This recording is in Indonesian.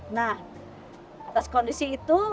nah atas kondisi itu